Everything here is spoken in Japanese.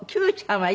はい。